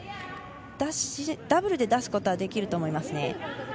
ダブルで出すことはできると思います。